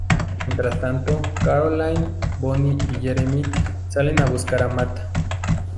Mientras tanto, Caroline, Bonnie y Jeremy salen a buscar a Matt.